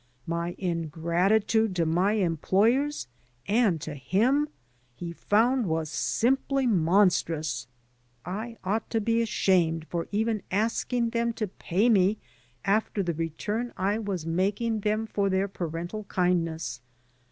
My ingratitude to my employers and to him, he f ound, was simply monstrous. I ought to be ashamed for even asking them to pay me after the 138 AN AMERICAN IN THE MAKING return I was making them for their parental kindness.